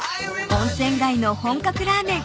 ［温泉街の本格ラーメン